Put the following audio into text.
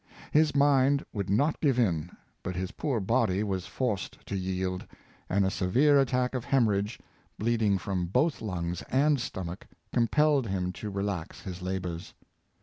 His mind would not give in, but his poor body was forced to yield, and a severe attack of hem orrhage— bleeding from both lungs and stomach — com pelled him to relax his labors.